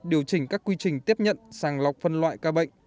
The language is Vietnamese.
điều chỉnh các quy trình tiếp nhận sàng lọc phân loại ca bệnh